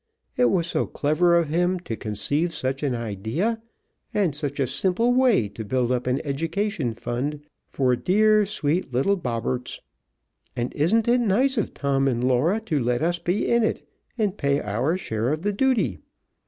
It was so clever of him to conceive such an idea, and such a simple way to build up an education fund for dear, sweet, little Bobberts! And isn't it nice of Tom and Laura to let us be in it and pay our share of the duty.